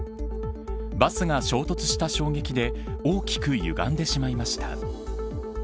バスが衝突した衝撃で大きくゆがんでしまいました。